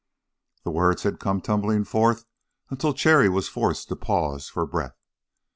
The words had come tumbling forth until Cherry was forced to pause for breath.